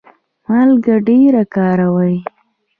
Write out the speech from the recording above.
مالګه ډیره کاروئ؟